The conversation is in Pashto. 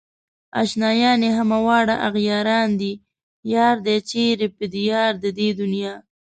اشنايان يې همه واړه اغياران دي يار دئ چيرې په ديار د دې دنيا